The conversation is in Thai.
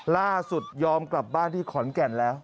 ยอมกลับบ้านที่ขอนแก่นแล้ว